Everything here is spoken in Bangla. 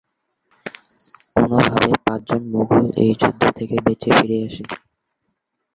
কোনোভাবে, পাঁচজন মুঘল এই যুদ্ধ থেকে বেঁচে ফিরে আসে।